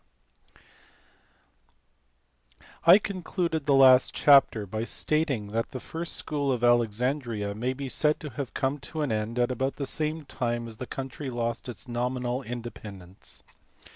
D. I CONCLUDED the last chapter by stating that the first school of Alexandria may be said to have come to an end at about the same time as the country lost its nominal inde pendence.